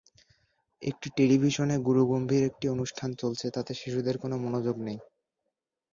একটি টেলিভিশনে গুরুগম্ভীর একটি অনুষ্ঠান চলছে, তাতে শিশুদের কোনো মনোযোগ নেই।